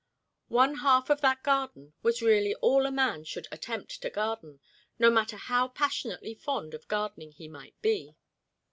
One half of that garden was really all a man should attempt to garden, no matter how passionately fond of gardening he might be.